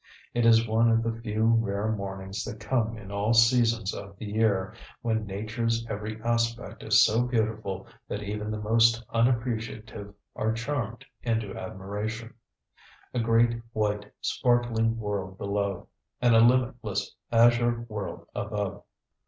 It is one of the few rare mornings that come in all seasons of the year when Nature's every aspect is so beautiful that even the most unappreciative are charmed into admiration; a great white sparkling world below, and a limitless azure world above.